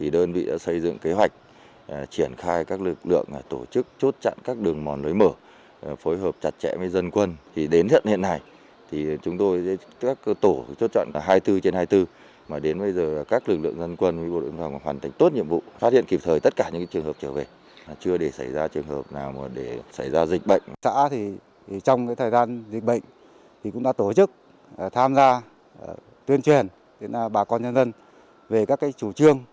trong thời gian dịch bệnh xã cũng đã tổ chức tham gia tuyên truyền bà con nhân dân về các chủ trương